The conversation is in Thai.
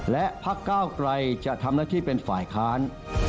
และพักก้าวไกรจะทำหน้าที่เป็นฝ่ายค้าน